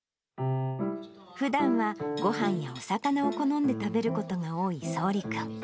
ふだんはごはんやお魚を好んで食べることが多いそうり君。